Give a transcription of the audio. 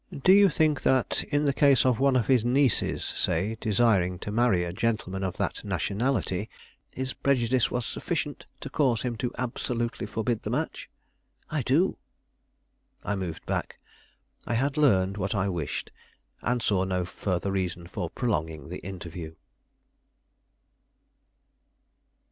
Do you think that, in the case of one of his nieces, say, desiring to marry a gentleman of that nationality, his prejudice was sufficient to cause him to absolutely forbid the match?" "I do." I moved back. I had learned what I wished, and saw no further reason for prolonging the interview.